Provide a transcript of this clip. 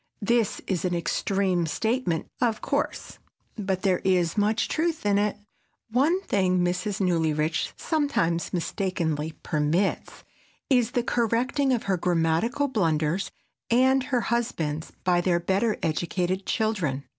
This is an extreme statement, of course, but there is much truth in it. One thing Mrs. Newlyrich sometimes mistakenly permits is the correcting of her grammatical blunders and her husband's by their better educated children.